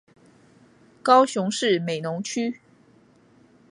高雄市美浓区